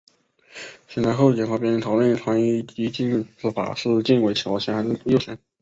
行台侯景和别人讨论穿衣衣襟之法是襟为左前还是右前。